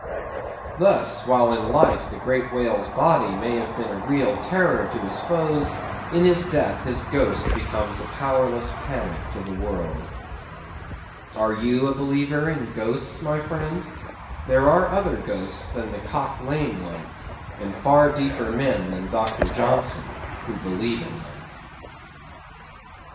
Thus, while in life the great whale's body may have been a real terror to his foes, in his death his ghost becomes a powerless panic to a world. Are you a believer in ghosts, my friend? There are other ghosts than the Cock Lane one, and far deeper men than Doctor Johnson who believe in them.